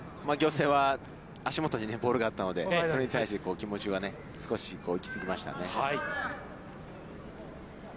仰星は足元にボールがあったのでそれに対して、気持ちが少し行き過ぎましたね。